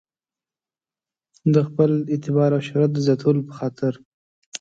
د خپل اعتبار او شهرت د زیاتولو په خاطر.